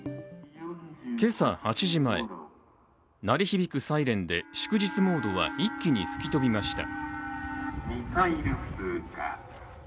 今朝８時前、鳴り響くサイレンで祝日モードは一気に吹き飛びました。